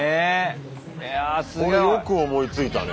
これよく思いついたね。